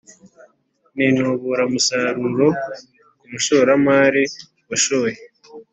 n’intuburamusaruro ku mushoramari washoye